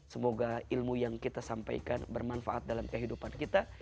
semoga ilmu yang kita sampaikan bermanfaat dalam kehidupan kita